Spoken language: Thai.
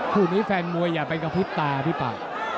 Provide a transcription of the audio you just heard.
คู่นี้แฟนมวยอย่าไปกระพริบตาพี่ปาก